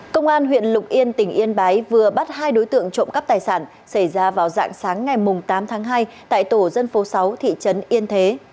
công an huyện lục yên tỉnh yên bái vừa bắt hai đối tượng trộm cắp tài sản xảy ra vào dạng sáng ngày tám tháng hai tại tổ dân phố sáu thị trấn yên thế